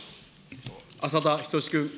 浅田均君。